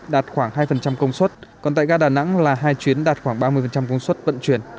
đạt khoảng hai công suất còn tại ga đà nẵng là hai chuyến đạt khoảng ba mươi công suất vận chuyển